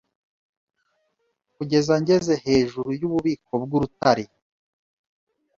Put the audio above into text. Kugeza ngeze hejuru yububiko bwurutare